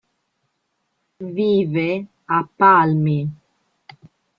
Vive a Palmi.